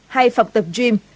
hay phòng tập gym